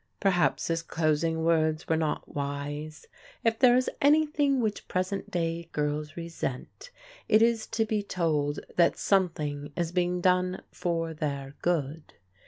Perhaps his closing words were not wise. If there is anything which present day girls resent it is to be told that something is being done for their good.